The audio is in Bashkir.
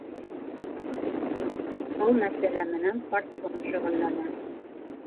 Был мәсьәлә менән партком шөғөлләнә.